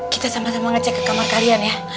kita sama sama ngecek ke kamar kalian ya